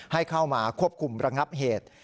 ให้เข้ามาควบคุมระงับเหตุ